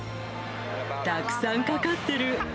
たくさんかかってる。